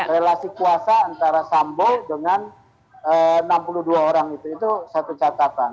relasi kuasa antara sambo dengan enam puluh dua orang itu itu satu catatan